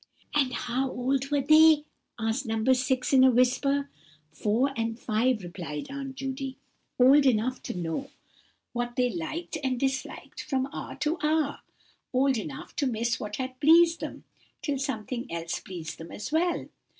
"And how old were they?" asked No. 6, in a whisper. "Four and five," replied Aunt Judy; "old enough to know what they liked and disliked from hour to hour. Old enough to miss what had pleased them, till something else pleased them as well.